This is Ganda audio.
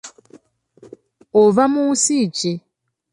Ova mu nsi ki?